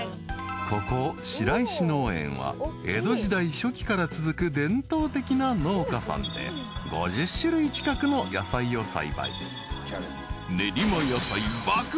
［ここ白石農園は江戸時代初期から続く伝統的な農家さんで５０種類近くの野菜を栽培］